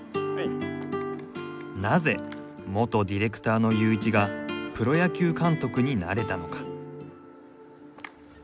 なぜ元ディレクターのユーイチがプロ野球監督になれたのか。